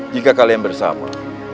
jika kalian bersama